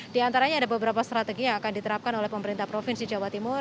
di antaranya ada beberapa strategi yang akan diterapkan oleh pemerintah provinsi jawa timur